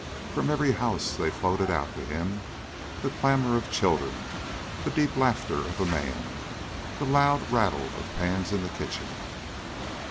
From every house they floated out to him, the clamor of children, the deep laughter of a man, the loud rattle of pans in the kitchen.